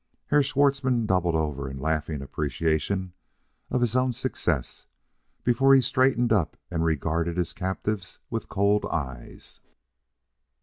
Herr Schwartzmann doubled over in laughing appreciation of his own success before he straightened up and regarded his captives with cold eyes.